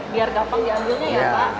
biar gampang diambilnya ya pak